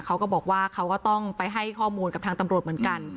เขาก็บอกว่าเขาก็ต้องไปให้ข้อมูลกับทางตำรวจเหมือนกัน